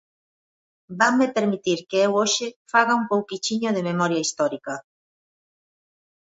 Vanme permitir que eu hoxe faga un pouquichiño de memoria histórica.